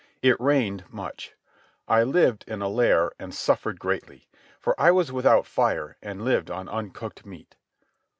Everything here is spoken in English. It rained much. I lived in a lair and suffered greatly, for I was without fire and lived on uncooked meat.